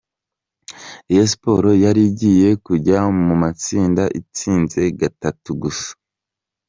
Rayon Sports yari igiye kujya mu matsinda itsinze gatatu gusa.